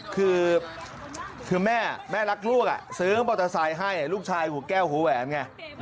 คือแม่แม่รักลูกซื้อมอเตอร์ไซค์ให้ลูกชายหัวแก้วหัวแหวนไง